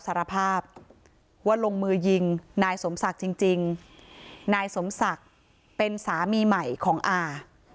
สารภาพว่าลงมือยิงนายสมศักดิ์จริงจริงนายสมศักดิ์เป็นสามีใหม่ของอา